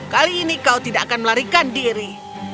kali ini kau tidak akan melarikan diri